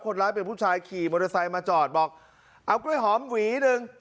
คนร้ายเป็นผู้ชายขี่มอเตอร์ไซค์มาจอดบอกเอากล้วยหอมหวีหนึ่ง